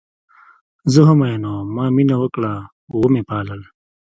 زه هم میینه وم ما مینه وکړه وه مې پالل